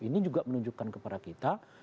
ini juga menunjukkan kepada kita